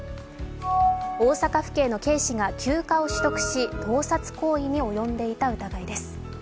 大阪府警の警視が休暇を取得し盗撮行為に及んでいた疑いです。